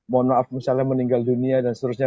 mohon maaf misalnya meninggal dunia dan seterusnya